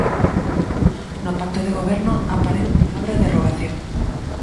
No pacto de Goberno aparece a palabra derrogación.